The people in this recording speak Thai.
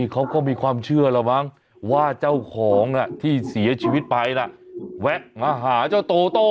เขาก็มีความเชื่อแล้วมั้งว่าเจ้าของที่เสียชีวิตไปนะแวะมาหาเจ้าโตโต้